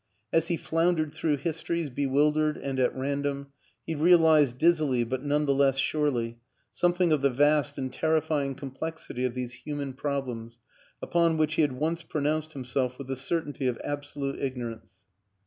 As he floundered through histories, be wildered and at random, he realized dizzily, but none the less surely, something of the vast and terrifying complexity of these human problems upon which he had once pronounced himself with the certainty of absolute ignorance.